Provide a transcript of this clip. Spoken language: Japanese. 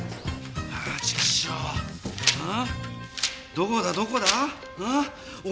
どこだどこだ？